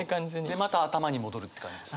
でまた頭に戻るって感じです。